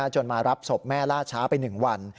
จนมารับศพแม่ล่าช้าไป๑วัน